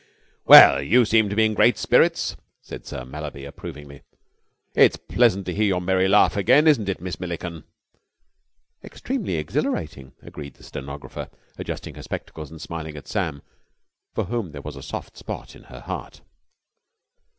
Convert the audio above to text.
"Well, you seem to be in great spirits," said Sir Mallaby approvingly. "It's pleasant to hear your merry laugh again, isn't it, Miss Milliken?" "Extremely exhilarating," agreed the stenographer, adjusting her spectacles and smiling at Sam, for whom there was a soft spot in her heart.